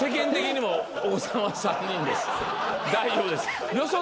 大丈夫です。